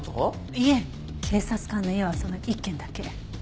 いえ警察官の家はその１軒だけ。